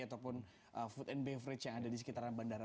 ataupun food and beverage yang ada di sekitaran bandara